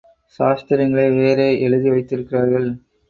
சாஸ்திரங்களை வேறே எழுதி வைத்திருக்கிறார்கள்.